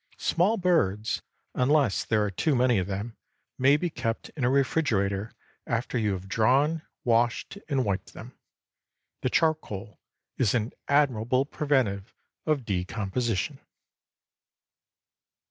Small birds, unless there are too many of them, may be kept in a refrigerator after you have drawn, washed, and wiped them. The charcoal is an admirable preventive of decomposition.